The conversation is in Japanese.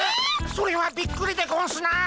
それはびっくりでゴンスなあ。